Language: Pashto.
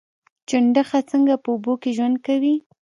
چنډخه څنګه په اوبو کې ژوند کوي؟